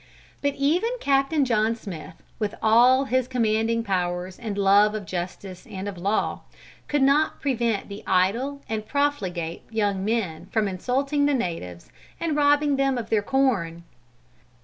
But even Capt. John Smith with all his commanding powers, and love of justice and of law, could not prevent the idle and profligate young men from insulting the natives, and robbing them of their corn.